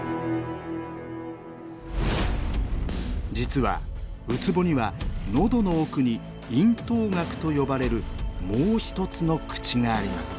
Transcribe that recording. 実はウツボには喉の奥に「咽頭顎」と呼ばれるもう一つの口があります。